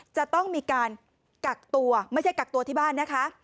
จะต้องมีการกักตัวไม่ใช่กักตัวที่บ้านนะคะ